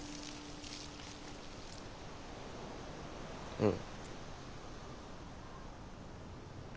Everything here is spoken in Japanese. うん。